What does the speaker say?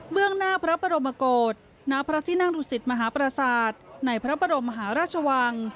เบื้องหน้าพระประโมโกฏน้าพระที่นั่งรุศิษภ์มหาภรรษาธิ์ในพระบรมหาราชวัง